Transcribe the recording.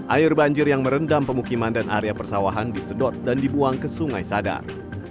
air banjir yang merendam pemukiman dan area persawahan disedot dan dibuang ke sungai sadar